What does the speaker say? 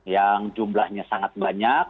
yang jumlahnya sangat banyak